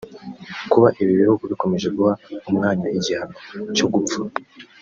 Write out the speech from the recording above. Kuba ibi bihugu bikomeje guha umwanya igihano cyo gupfa